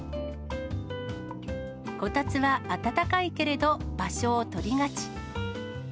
こたつは暖かいけれど、場所を取りがち。